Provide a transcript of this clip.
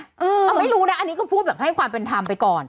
เอาไม่รู้นะอันนี้ก็พูดแบบให้ความเป็นธรรมไปก่อน